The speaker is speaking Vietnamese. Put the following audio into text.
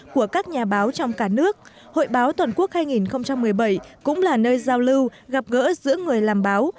của các nhà báo trong cả nước hội báo toàn quốc hai nghìn một mươi bảy cũng là nơi giao lưu gặp gỡ giữa người làm báo